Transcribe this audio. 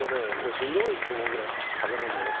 死んでもいいって思うぐらい酒飲んでね。